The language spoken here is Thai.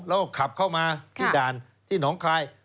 แล้วก็ขับเข้ามาที่ด่านที่หนองคาย